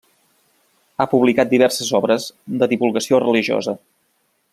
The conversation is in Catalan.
Ha publicat diverses obres de divulgació religiosa.